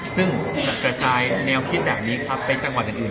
ซึ่งกระจายแนวคิดแบบนี้ครับไปจังหวัดอื่น